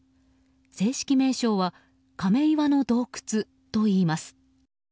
正式名称は亀岩の洞窟といいます。